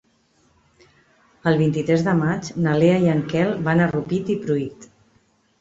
El vint-i-tres de maig na Lea i en Quel van a Rupit i Pruit.